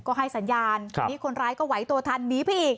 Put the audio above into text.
ก็ให้สัญญาณนี้คนร้ายก็ไหวตัวทันหนีไปอีก